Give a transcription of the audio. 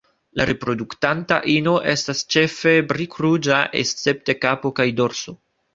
La reproduktanta ino estas ĉefe brik-ruĝa escepte kapo kaj dorso.